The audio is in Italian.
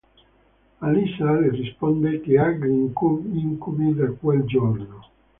Alyssa le risponde che ha gli incubi da quel giorno.